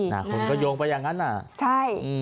คนก็โยงไปอย่างนั้นใช่